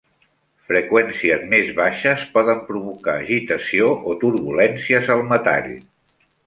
Freqüències més baixes poden provocar agitació o turbulències al metall.